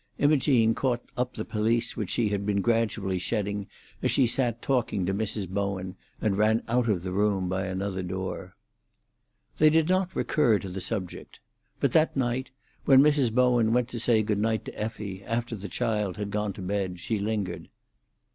Imogene caught up the pelisse which she had been gradually shedding as she sat talking to Mrs. Bowen, and ran out of the room by another door. They did not recur to the subject. But that night, when Mrs. Bowen went to say good night to Effie, after the child had gone to bed, she lingered.